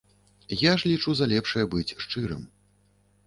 Я ж лічу за лепшае быць шчырым.